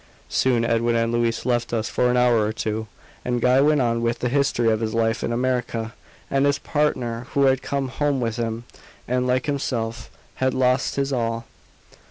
Soon, Edwin and Louise left us for an hour or two, and Guy went on with the history of his life in America and his partner who had come home with him, and, like himself, had lost his all.